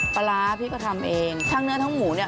ปลาร้าพี่ก็ทำเองทั้งเนื้อทั้งหมูเนี่ย